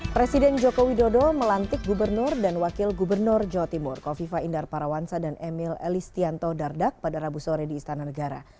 presiden joko widodo melantik gubernur dan wakil gubernur jawa timur kofifa indar parawansa dan emil elistianto dardak pada rabu sore di istana negara